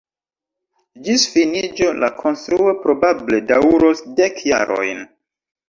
Ĝis finiĝo la konstruo probable daŭros dek jarojn.